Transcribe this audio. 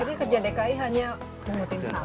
jadi kerja dki hanya memutihkan sampah